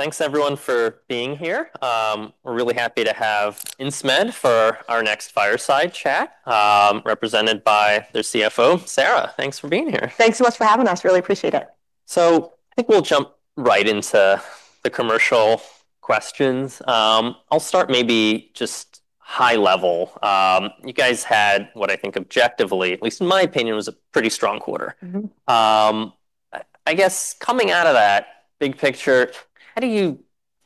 Thanks everyone for being here. We're really happy to have Insmed for our next fireside chat, represented by their CFO, Sara. Thanks for being here. Thanks so much for having us, really appreciate it. I think we'll jump right into the commercial questions. I'll start maybe just high level. You guys had what I think objectively, at least in my opinion, was a pretty strong quarter. I guess coming out of that big picture, how do you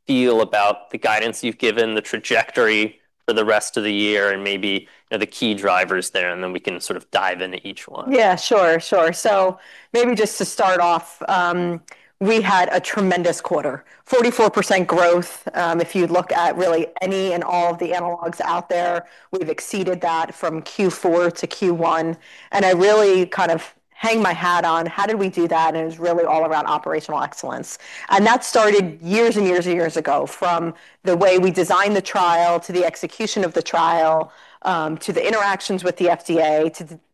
feel about the guidance you've given, the trajectory for the rest of the year, and maybe the key drivers there, and then we can sort of dive into each one? Yeah, sure. Maybe just to start off, we had a tremendous quarter, 44% growth. If you look at really any and all of the analogs out there, we've exceeded that from Q4 to Q1, and I really hang my hat on how did we do that, and it was really all around operational excellence. That started years and years ago. From the way we designed the trial, to the execution of the trial, to the interactions with the FDA,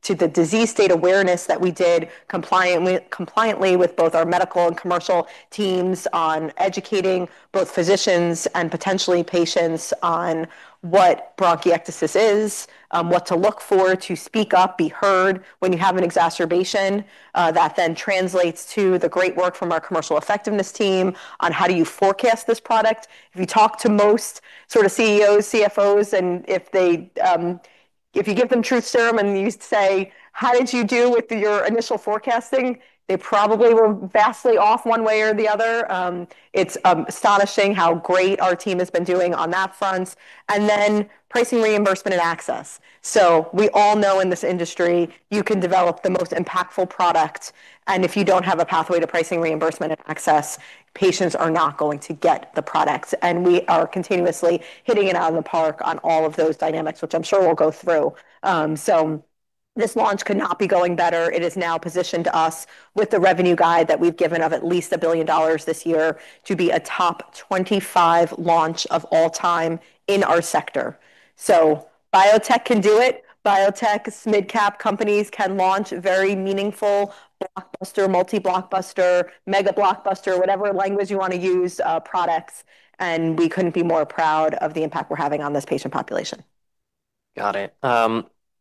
to the disease state awareness that we did compliantly with both our medical and commercial teams on educating both physicians and potentially patients on what bronchiectasis is, what to look for, to speak up, be heard when you have an exacerbation. That then translates to the great work from our commercial effectiveness team on how do you forecast this product. If you talk to most CEOs, CFOs, and if you give them truth serum and you say, "How did you do with your initial forecasting?" They probably were vastly off one way or the other. It's astonishing how great our team has been doing on that front. Then pricing, reimbursement, and access. We all know in this industry you can develop the most impactful product, and if you don't have a pathway to pricing, reimbursement, and access, patients are not going to get the products. We are continuously hitting it out of the park on all of those dynamics, which I'm sure we'll go through. This launch could not be going better. It has now positioned us with the revenue guide that we've given of at least $1 billion this year to be a top 25 launch of all time in our sector. Biotech can do it, biotech mid-cap companies can launch very meaningful blockbuster, multi-blockbuster, mega-blockbuster, whatever language you want to use, products and we couldn't be more proud of the impact we're having on this one patient population. Got it.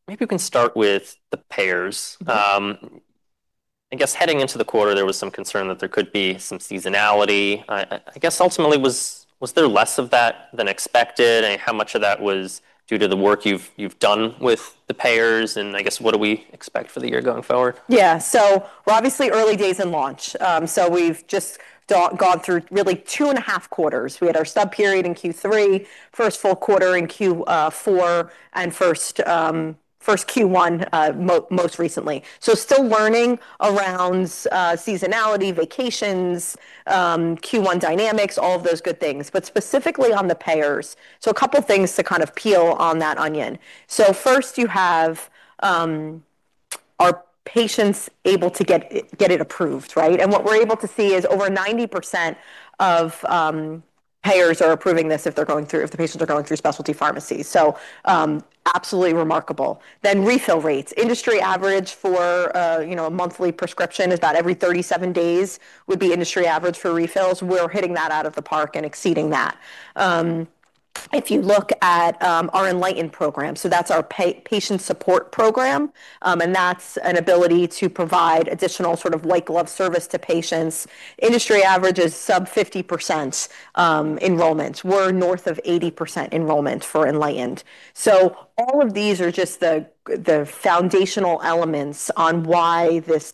Maybe we can start with the payers. I guess heading into the quarter, there was some concern that there could be some seasonality. I guess ultimately was there less of that than expected? How much of that was due to the work you've done with the payers and I guess, what do we expect for the year going forward? We're obviously early days in launch. We've just gone through really 2.5 quarter. We had our stub period in Q3, first full quarter in Q4, and first Q1 most recently. Still learning around seasonality, vacations, Q1 dynamics, all of those good things. Specifically on the payers. A couple of things to peel on that onion. First you have are patients able to get it approved, right? What we're able to see is over 90% of payers are approving this if the patients are going through specialty pharmacies. Absolutely remarkable. Refill rates. Industry average for a monthly prescription is about every 37 days would be industry average for refills. We're hitting that out of the park and exceeding that. If you look at our inLighten program, that's our patient support program, that's an ability to provide additional white glove service to patients. Industry average is sub 50% enrollments. We're north of 80% enrollment for inLighten. All of these are just the foundational elements on why this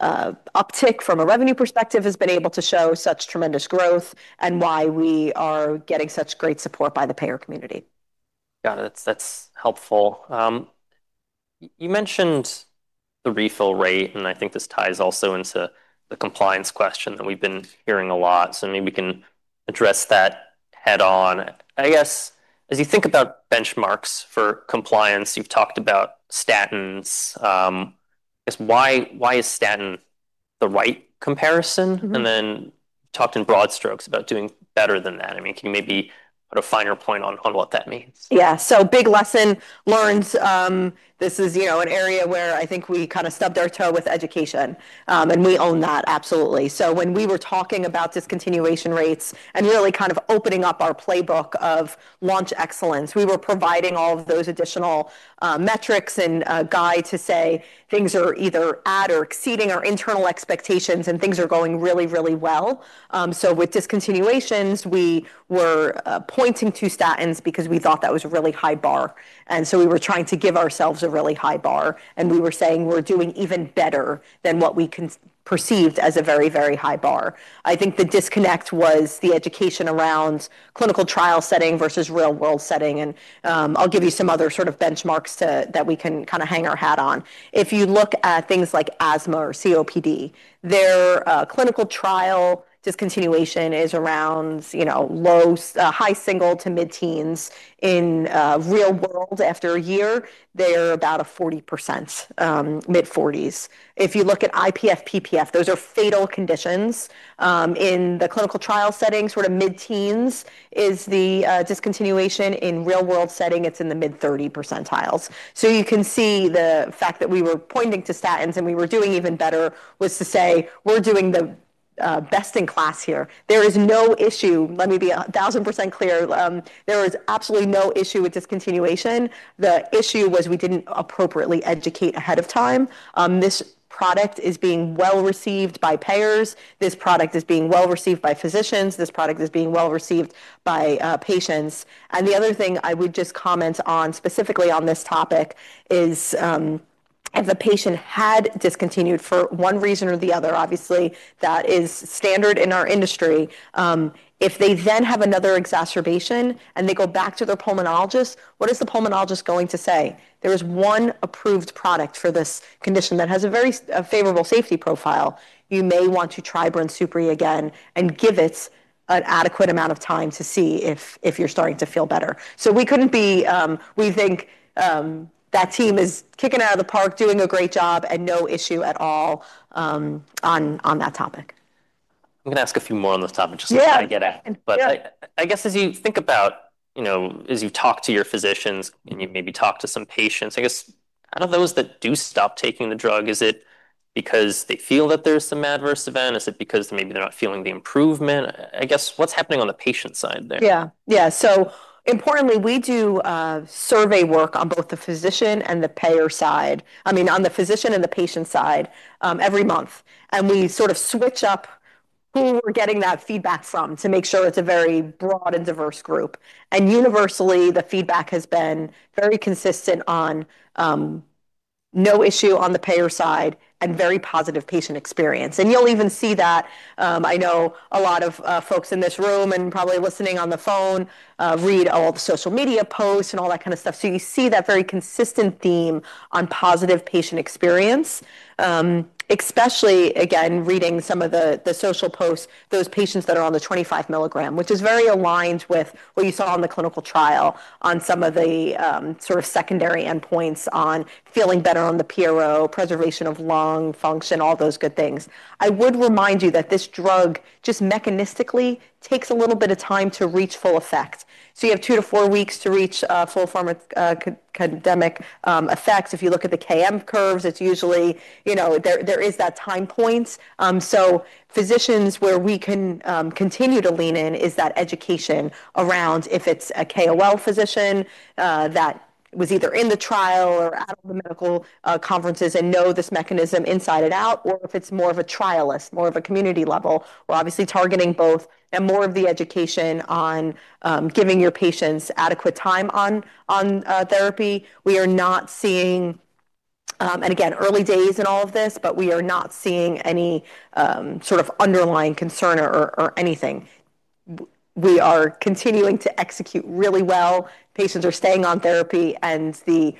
uptick from a revenue perspective has been able to show such tremendous growth and why we are getting such great support by the payer community. Got it. That's helpful. You mentioned the refill rate, and I think this ties also into the compliance question that we've been hearing a lot, so maybe we can address that head-on. I guess as you think about benchmarks for compliance, you've talked about statins. I guess why is statin the right comparison? Then talked in broad strokes about doing better than that. Can you maybe put a finer point on what that means? Yeah. Big lesson learned. This is an area where I think we stubbed our toe with education, and we own that absolutely. When we were talking about discontinuation rates and really opening up our playbook of launch excellence, we were providing all of those additional metrics and guide to say things are either at or exceeding our internal expectations and things are going really well. With discontinuations, we were pointing to statins because we thought that was a really high bar, we were trying to give ourselves a really high bar, and we were saying we're doing even better than what we perceived as a very high bar. I think the disconnect was the education around clinical trial setting versus real world setting, and I'll give you some other benchmarks that we can hang our hat on. If you look at things like asthma or COPD, their clinical trial discontinuation is around high single to mid-teens. In real world, after a year, they are about a 40%, mid-40%. If you look at IPF, PPF, those are fatal conditions. In the clinical trial setting, mid-teens is the discontinuation. In real world setting, it's in the mid-30 percentiles. You can see the fact that we were pointing to statins and we were doing even better was to say we're doing the best in class here. There is no issue. Let me be 1,000% clear. There is absolutely no issue with discontinuation. The issue was we didn't appropriately educate ahead of time. This product is being well-received by payers. This product is being well-received by physicians. This product is being well-received by patients. The other thing I would just comment on, specifically on this topic is, if a patient had discontinued for one reason or the other, obviously, that is standard in our industry. If they then have another exacerbation and they go back to their pulmonologist, what is the pulmonologist going to say? There is one approved product for this condition that has a very favorable safety profile. You may want to try BRINSUPRI again and give it an adequate amount of time to see if you're starting to feel better. We think that team is kicking out of the park, doing a great job, and no issue at all on that topic. I'm going to ask a few more on this topic, just because. Yeah I get it. Yeah. I guess as you think about, as you talk to your physicians and you maybe talk to some patients, I guess out of those that do stop taking the drug, is it because they feel that there's some adverse event? Is it because maybe they're not feeling the improvement? I guess, what's happening on the patient side there? Importantly, we do survey work on both the physician and the payer side, I mean, on the physician and the patient side every month. We sort of switch up who we're getting that feedback from to make sure it's a very broad and diverse group. Universally, the feedback has been very consistent on no issue on the payer side and very positive patient experience. You'll even see that, I know a lot of folks in this room and probably listening on the phone read all the social media posts and all that kind of stuff. You see that very consistent theme on positive patient experience, especially, again, reading some of the social posts, those patients that are on the 25 milligram, which is very aligned with what you saw in the clinical trial on some of the sort of secondary endpoints on feeling better on the PRO, preservation of lung function, all those good things. I would remind you that this drug just mechanistically takes a little bit of time to reach full effect. You have two to four weeks to reach full pharmacodynamic effect. If you look at the Kaplan-Meier curves, there is that time point. Physicians, where we can continue to lean in is that education around if it's a KOL physician that was either in the trial or at all the medical conferences and know this mechanism inside and out, or if it's more of a trialist, more of a community level. We're obviously targeting both and more of the education on giving your patients adequate time on therapy. We are not seeing, and again, early days in all of this, but we are not seeing any sort of underlying concern or anything. We are continuing to execute really well. Patients are staying on therapy, and the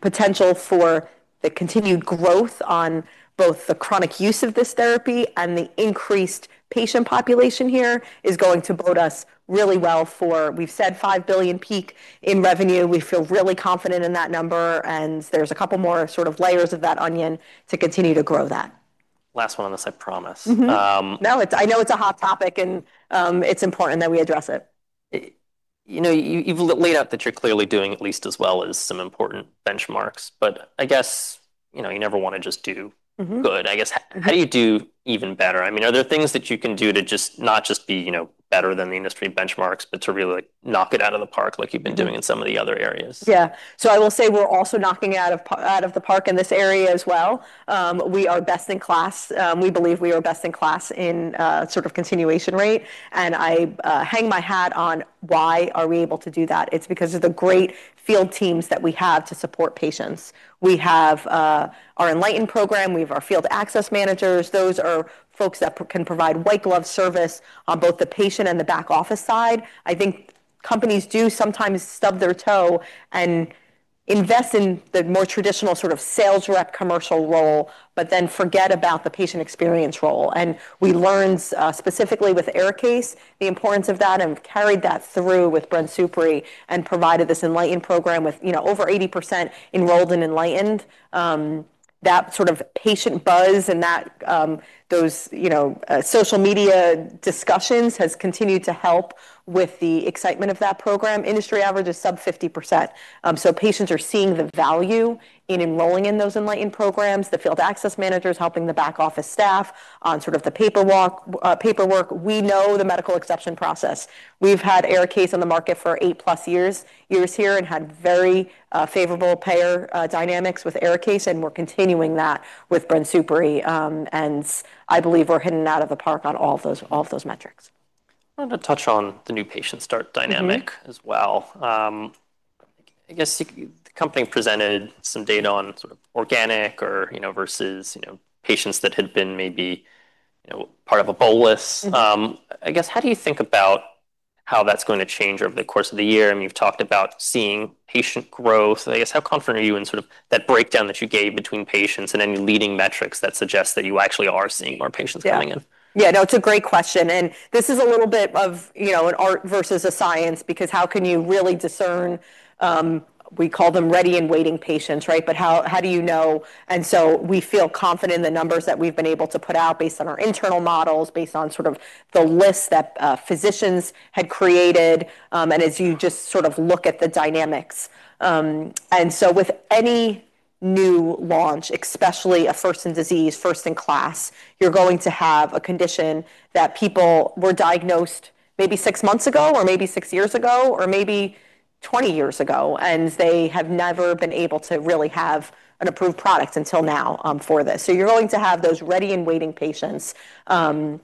potential for the continued growth on both the chronic use of this therapy and the increased patient population here is going to bode us really well for, we've said $5 billion peak in revenue. We feel really confident in that number, and there's a couple more sort of layers of that onion to continue to grow that. Last one on this, I promise. No, I know it's a hot topic, and it's important that we address it. You've laid out that you're clearly doing at least as well as some important benchmarks, but I guess, you never want to just. good. I guess, how do you do even better? Are there things that you can do to not just be better than the industry benchmarks, but to really knock it out of the park like you've been doing in some of the other areas? Yeah. I will say we're also knocking it out of the park in this area as well. We are best in class. We believe we are best in class in sort of continuation rate, and I hang my hat on why are we able to do that. It's because of the great field teams that we have to support patients. We have our inLighten program. We have our field access managers. Those are folks that can provide white glove service on both the patient and the back office side. I think companies do sometimes stub their toe and invest in the more traditional sort of sales rep commercial role, but then forget about the patient experience role. We learned, specifically with ARIKAYCE, the importance of that and carried that through with BRINSUPRI and provided this inLighten program with over 80% enrolled in inLighten. That sort of patient buzz and those social media discussions has continued to help with the excitement of that program. Industry average is sub 50%. Patients are seeing the value in enrolling in those inLighten programs, the field access managers helping the back office staff on sort of the paperwork. We know the medical exception process. We've had ARIKAYCE on the market for 8+ years here and had very favorable payer dynamics with ARIKAYCE, and we're continuing that with BRINSUPRI. I believe we're hitting it out of the park on all of those metrics. I wanted to touch on the new patient start dynamic. as well. I guess the company presented some data on sort of organic versus patients that had been maybe part of a bolus. I guess, how do you think about how that's going to change over the course of the year? I mean, you've talked about seeing patient growth. I guess, how confident are you in sort of that breakdown that you gave between patients and any leading metrics that suggest that you actually are seeing more patients coming in? Yeah. No, it's a great question, and this is a little bit of an art versus a science because how can you really discern, we call them ready and waiting patients, right? How do you know? We feel confident in the numbers that we've been able to put out based on our internal models, based on sort of the list that physicians had created, and as you just sort of look at the dynamics. With any new launch, especially a first-in-disease, first-in-class, you're going to have a condition that people were diagnosed maybe six months ago or maybe six years ago, or maybe 20 years ago, and they have never been able to really have an approved product until now for this. You're going to have those ready and waiting patients. It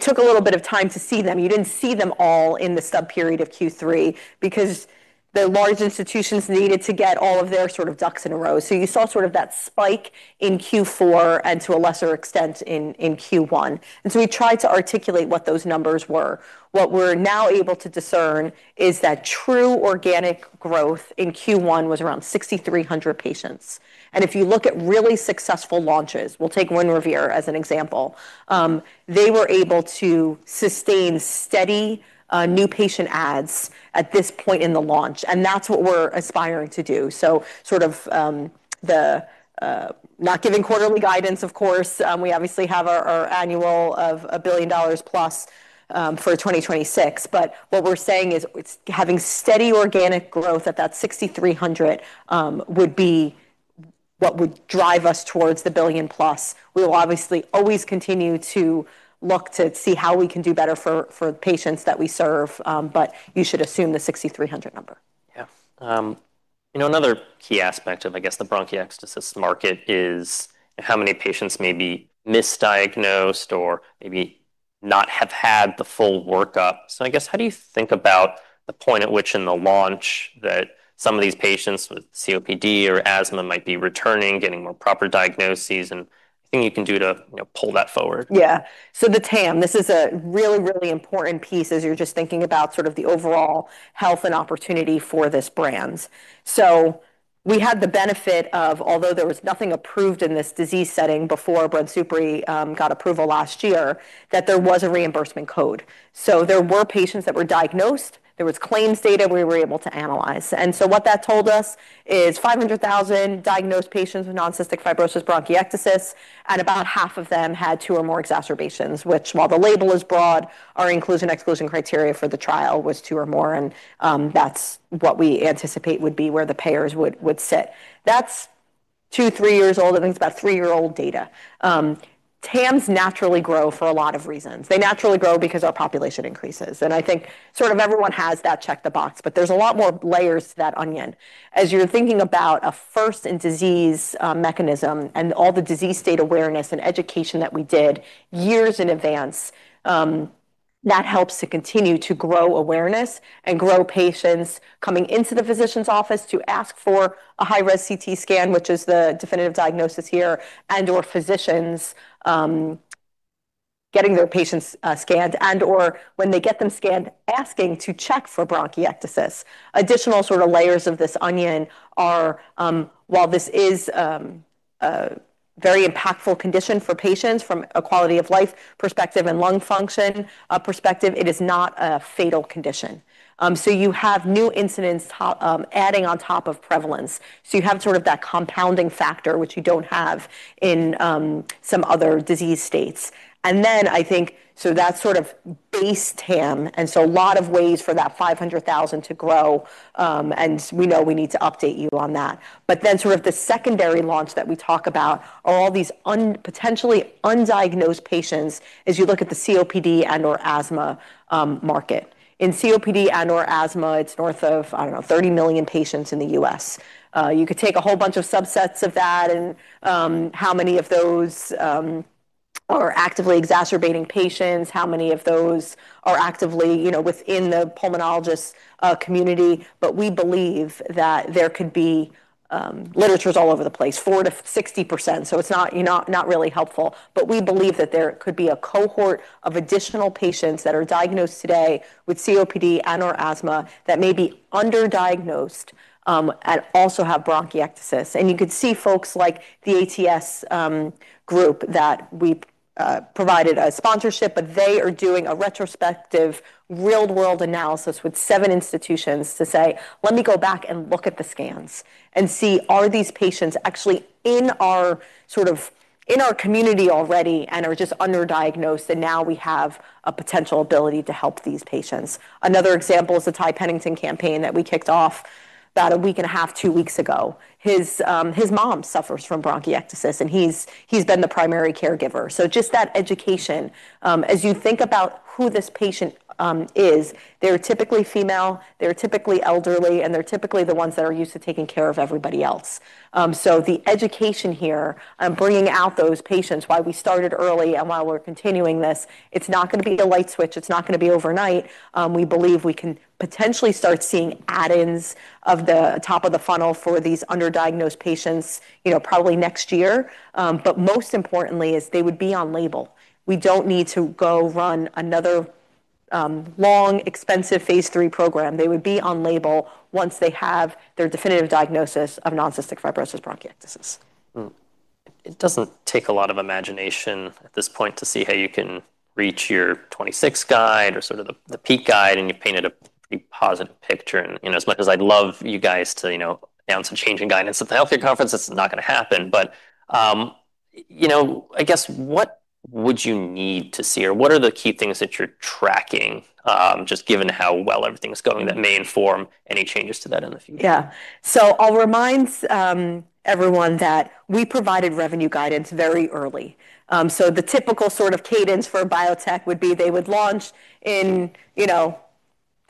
took a little bit of time to see them. You didn't see them all in the stub period of Q3 because the large institutions needed to get all of their ducks in a row. You saw that spike in Q4 and to a lesser extent in Q1. We tried to articulate what those numbers were. What we're now able to discern is that true organic growth in Q1 was around 6,300 patients. If you look at really successful launches, we'll take REVERE as an example. They were able to sustain steady new patient adds at this point in the launch, and that's what we're aspiring to do. Sort of, not giving quarterly guidance, of course. We obviously have our annual of $1+ billion for 2026, but what we're saying is it's having steady organic growth at that 6,300 would be what would drive us towards the $1+ billion. We will obviously always continue to look to see how we can do better for patients that we serve. You should assume the 6,300 number. Yeah. Another key aspect of, I guess, the bronchiectasis market is how many patients may be misdiagnosed or maybe not have had the full workup. I guess, how do you think about the point at which in the launch that some of these patients with COPD or asthma might be returning, getting more proper diagnoses, and anything you can do to pull that forward? Yeah. The TAM, this is a really, really important piece as you're just thinking about the overall health and opportunity for this brand. We had the benefit of, although there was nothing approved in this disease setting before BRINSUPRI got approval last year, that there was a reimbursement code. There were patients that were diagnosed. There was claims data we were able to analyze. What that told us is 500,000 diagnosed patients with non-cystic fibrosis bronchiectasis, and about half of them had two or more exacerbations, which while the label is broad, our inclusion/exclusion criteria for the trial was two or more and that's what we anticipate would be where the payers would sit. That's two, three years old. I think it's about three-year-old data. TAMs naturally grow for a lot of reasons. They naturally grow because our population increases, and I think sort of everyone has that check the box, but there's a lot more layers to that onion. As you're thinking about a first-in-disease mechanism and all the disease state awareness and education that we did years in advance, that helps to continue to grow awareness and grow patients coming into the physician's office to ask for a high-resolution CT scan, which is the definitive diagnosis here, and/or physicians getting their patients scanned and/or when they get them scanned, asking to check for bronchiectasis. Additional layers of this onion are, while this is a very impactful condition for patients from a quality of life perspective and lung function perspective, it is not a fatal condition. You have new incidence adding on top of prevalence. You have that compounding factor which you don't have in some other disease states. I think, so that's sort of base TAM, and so a lot of ways for that 500,000 to grow, and we know we need to update you on that. Sort of the secondary launch that we talk about are all these potentially undiagnosed patients as you look at the COPD and/or asthma market. In COPD and/or asthma, it's north of, I don't know, 30 million patients in the U.S. You could take a whole bunch of subsets of that and how many of those are actively exacerbating patients, how many of those are actively within the pulmonologist community, but we believe that there could be Literature's all over the place, 4%-60%, so it's not really helpful. We believe that there could be a cohort of additional patients that are diagnosed today with COPD and/or asthma that may be underdiagnosed, and also have bronchiectasis. You could see folks like the ATS group that we provided a sponsorship, but they are doing a retrospective real-world analysis with seven institutions to say, "Let me go back and look at the scans and see are these patients actually in our community already and are just underdiagnosed, and now we have a potential ability to help these patients." Another example is the Ty Pennington campaign that we kicked off about 1.5 week, two weeks ago. His mom suffers from bronchiectasis, and he's been the primary caregiver. Just that education. As you think about who this patient is, they're typically female, they're typically elderly, and they're typically the ones that are used to taking care of everybody else. The education here, bringing out those patients, why we started early and why we're continuing this, it's not going to be a light switch, it's not going to be overnight. We believe we can potentially start seeing add-ins of the top of the funnel for these underdiagnosed patients probably next year. Most importantly is they would be on-label. We don't need to go run another long, expensive phase III program. They would be on-label once they have their definitive diagnosis of non-cystic fibrosis bronchiectasis. It doesn't take a lot of imagination at this point to see how you can reach your 2026 guide or sort of the peak guide, and you've painted a pretty positive picture. As much as I'd love you guys to announce a change in guidance at the healthcare conference, it's not going to happen, I guess, what would you need to see? What are the key things that you're tracking, just given how well everything's going that may inform any changes to that in the future? Yeah. I'll remind everyone that we provided revenue guidance very early. The typical sort of cadence for a biotech would be they would launch in the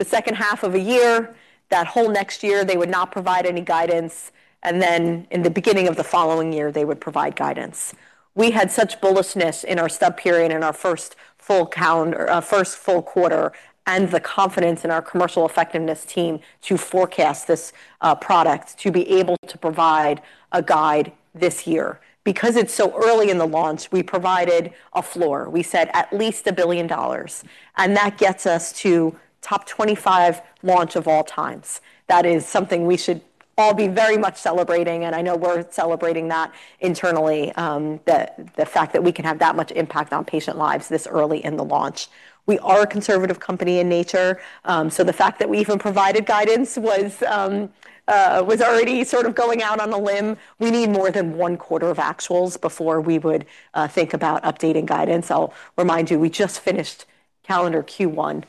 second half of a year, that whole next year, they would not provide any guidance, and then in the beginning of the following year, they would provide guidance. We had such bullishness in our stub period in our first full quarter, and the confidence in our commercial effectiveness team to forecast this product to be able to provide a guide this year. Because it's so early in the launch, we provided a floor. We said at least $1 billion. That gets us to top 25 launch of all times. That is something we should all be very much celebrating. I know we're celebrating that internally, the fact that we can have that much impact on patient lives this early in the launch. We are a conservative company in nature, the fact that we even provided guidance was already sort of going out on a limb. We need more than one quarter of actuals before we would think about updating guidance. I'll remind you, we just finished calendar Q1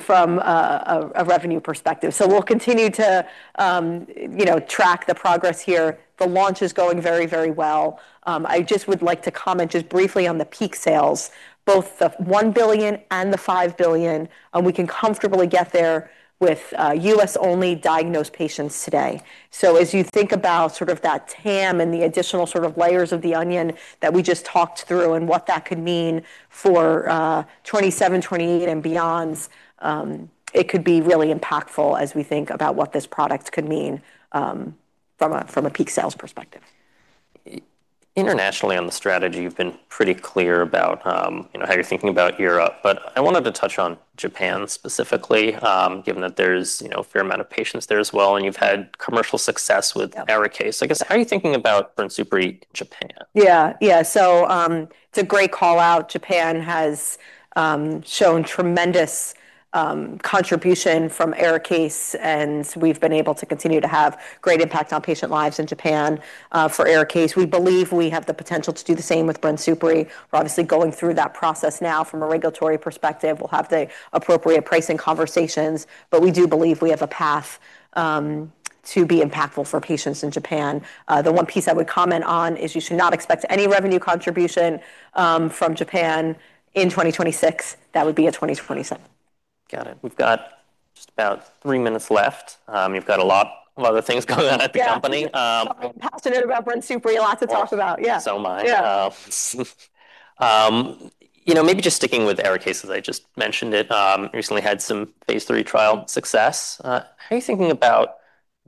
from a revenue perspective. We'll continue to track the progress here. The launch is going very, very well. I just would like to comment just briefly on the peak sales, both the $1 billion and the $5 billion. We can comfortably get there with U.S.-only diagnosed patients today. As you think about sort of that TAM and the additional sort of layers of the onion that we just talked through and what that could mean for 2027, 2028 and beyond, it could be really impactful as we think about what this product could mean from a peak sales perspective. Internationally on the strategy, you've been pretty clear about how you're thinking about Europe, but I wanted to touch on Japan specifically, given that there's a fair amount of patients there as well, and you've had commercial success with ARIKAYCE. I guess, how are you thinking about BRINSUPRI in Japan? It's a great call-out. Japan has shown tremendous contribution from ARIKAYCE, and we've been able to continue to have great impact on patient lives in Japan for ARIKAYCE. We believe we have the potential to do the same with BRINSUPRI. We're obviously going through that process now from a regulatory perspective. We'll have the appropriate pricing conversations, but we do believe we have a path to be impactful for patients in Japan. The one piece I would comment on is you should not expect any revenue contribution from Japan in 2026. That would be a 2027. Got it. We've got just about three minutes left. You've got a lot of other things going on at the company. Yeah. Passionate about BRINSUPRI, a lot to talk about. Yeah. So am I. Yeah. Maybe just sticking with ARIKAYCE as I just mentioned it, recently had some phase III trial success. How are you thinking about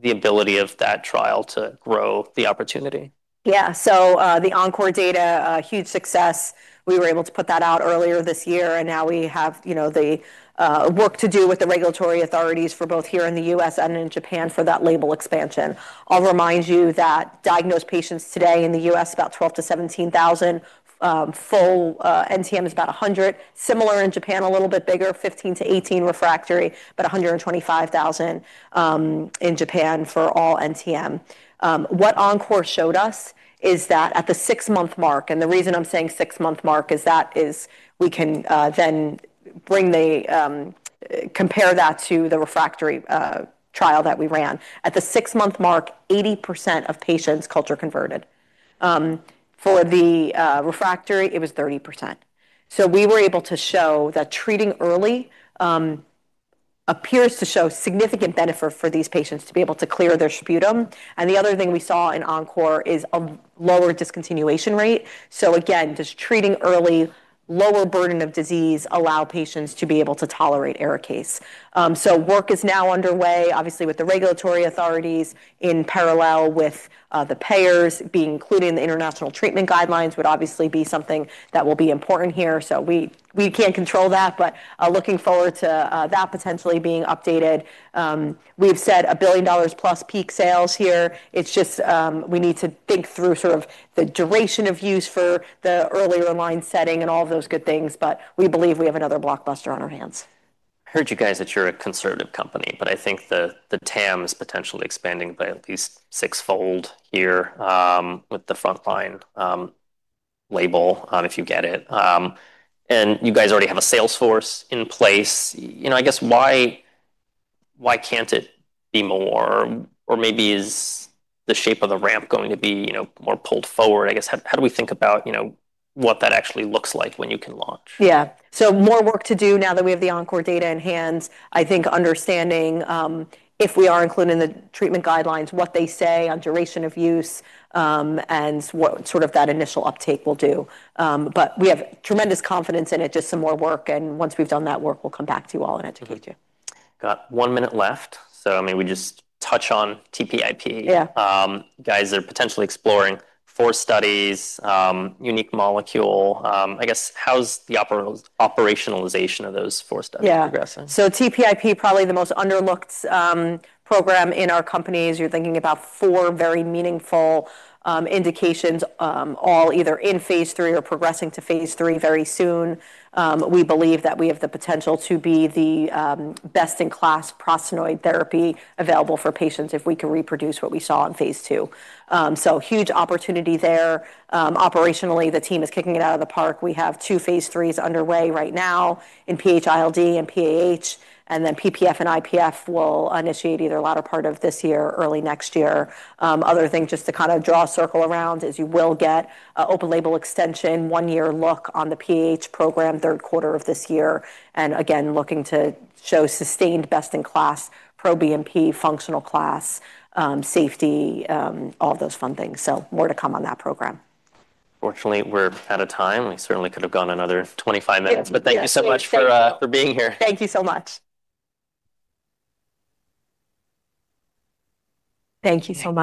the ability of that trial to grow the opportunity? Yeah. The ENCORE data, a huge success. We were able to put that out earlier this year, and now we have the work to do with the regulatory authorities for both here in the U.S. and in Japan for that label expansion. I'll remind you that diagnosed patients today in the U.S., about 12 to 17,000. Full NTM is about 100. Similar in Japan, a little bit bigger, 15 to 18 refractory, but 125,000 in Japan for all NTM. What ENCORE showed us is that at the six-month mark, and the reason I'm saying six-month mark is that is we can then compare that to the refractory trial that we ran. At the six-month mark, 80% of patients culture converted. For the refractory, it was 30%. We were able to show that treating early appears to show significant benefit for these patients to be able to clear their sputum. The other thing we saw in ENCORE is a lower discontinuation rate. Again, just treating early, lower burden of disease allow patients to be able to tolerate ARIKAYCE. Work is now underway, obviously, with the regulatory authorities in parallel with the payers. Being included in the international treatment guidelines would obviously be something that will be important here. We can't control that, but looking forward to that potentially being updated. We've said $1+ billion peak sales here. It's just we need to think through sort of the duration of use for the earlier line setting and all of those good things, but we believe we have another blockbuster on our hands. I heard you guys that you're a conservative company, but I think the TAM is potentially expanding by at least sixfold here with the frontline label if you get it. You guys already have a sales force in place. I guess why can't it be more, or maybe is the shape of the ramp going to be more pulled forward? I guess, how do we think about what that actually looks like when you can launch? Yeah. More work to do now that we have the ENCORE data in hand. I think understanding, if we are included in the treatment guidelines, what they say on duration of use, and what sort of that initial uptake will do. We have tremendous confidence in it, just some more work, and once we've done that work, we'll come back to you all and educate you. Got 1 minute left. Maybe we just touch on TPIP. Yeah. You guys are potentially exploring four studies, unique molecule. I guess, how's the operationalization of those four studies progressing? Yeah. TPIP, probably the most underlooked program in our company, as you're thinking about four very meaningful indications, all either in phase III or progressing to phase III very soon. We believe that we have the potential to be the best-in-class prostanoid therapy available for patients if we can reproduce what we saw in phase II. Huge opportunity there. Operationally, the team is kicking it out of the park. We have two phase IIIs underway right now in PH-ILD and PAH, PPF and IPF will initiate either latter part of this year or early next year. Other thing just to kind of draw a circle around is you will get a open-label extension, one-year look on the PAH program, third quarter of this year. Again, looking to show sustained best-in-class proBNP, functional class, safety, all those fun things. More to come on that program. Unfortunately, we're out of time. We certainly could have gone another 25 minutes. Yeah. Thank you so much for being here. Thank you so much. Thank you so much.